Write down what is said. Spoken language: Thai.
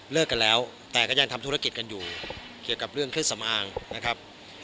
กันแล้วแต่ก็ยังทำธุรกิจกันอยู่เกี่ยวกับเรื่องเครื่องสำอางนะครับ